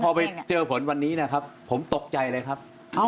พอไปเจอผลวันนี้นะครับผมตกใจเลยครับ